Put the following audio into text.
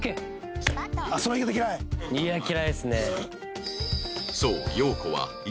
いやあ嫌いですね！